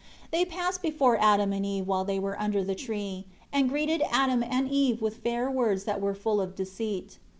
2 They passed before Adam and Eve while they were under the tree, and greeted Adam and Eve with fair words that were full of deceit.